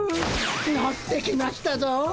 のってきましたぞ！